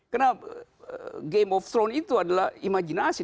karena game of thrones itu adalah imajinasi